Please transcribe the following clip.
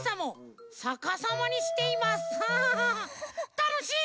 たのしい！